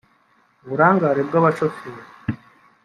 uburangare bw’abashoferi